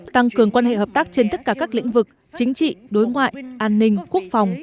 tăng cường quan hệ hợp tác trên tất cả các lĩnh vực chính trị đối ngoại an ninh quốc phòng